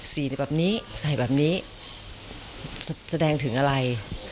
สีแบบนี้ใส่แบบนี้แสดงถึงอะไร